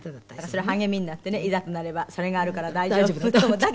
それ励みになってねいざとなればそれがあるから大丈夫と思った。